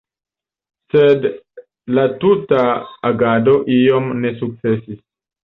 Sed la tuta agado iom ne sukcesis.